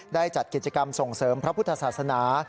จัดกิจกรรมส่งเสริมพระพุทธศาสนา